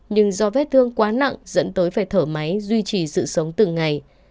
nhưng do vết thương quá nặng dẫn tới phải thở máy duy trì sự sống từng ngày